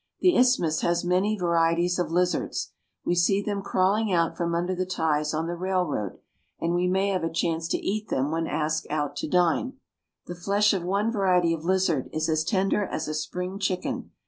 The isthmus has many vari eties of lizards. We see them crawling out from under the Iguana Lizard. ties on the railroad, and we may have a chance to eat them when asked out to dine. The flesh of one variety of lizard is as tender as a spring chicken.